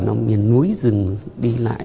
nó miền núi dừng đi lại